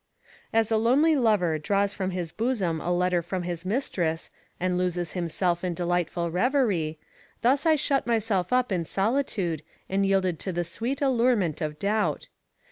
As a lonely lover draws from his bosom a letter from his mistress, and loses himself in delightful reverie, thus I shut myself up in solitude and yielded to the sweet allurement of doubt.